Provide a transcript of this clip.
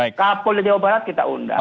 kapolda jawa barat kita undang